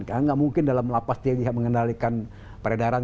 karena tidak mungkin dalam lapas dia bisa mengendalikan peredaran